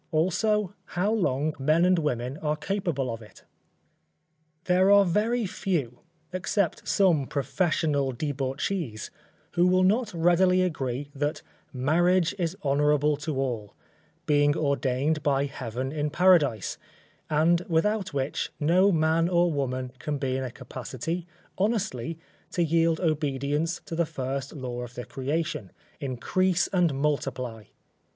Also, how long men and women are capable of it._ There are very few, except some professional debauchees, who will not readily agree that "Marriage is honourable to all," being ordained by Heaven in Paradise; and without which no man or woman can be in a capacity, honestly, to yield obedience to the first law of the creation, "Increase and Multiply."